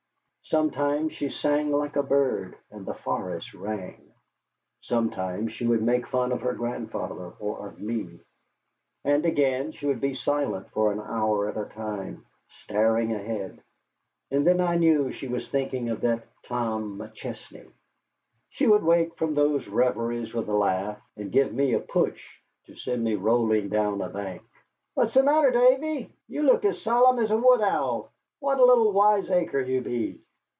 Sometimes she sang like a bird, and the forest rang. Sometimes she would make fun of her grandfather or of me; and again she would be silent for an hour at a time, staring ahead, and then I knew she was thinking of that Tom McChesney. She would wake from those reveries with a laugh, and give me a push to send me rolling down a bank. "What's the matter, Davy? You look as solemn as a wood owl. What a little wiseacre you be!"